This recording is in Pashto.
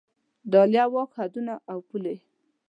د عالیه واک حدونه او پولې